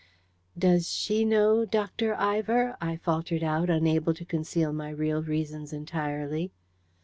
"Does she know Dr. Ivor?" I faltered out, unable to conceal my real reasons entirely.